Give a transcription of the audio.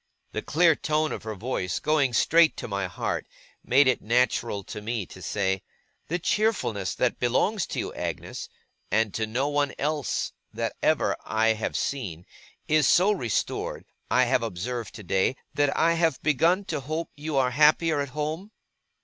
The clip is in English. The clear tone of her voice, going straight to my heart, made it natural to me to say: 'The cheerfulness that belongs to you, Agnes (and to no one else that ever I have seen), is so restored, I have observed today, that I have begun to hope you are happier at home?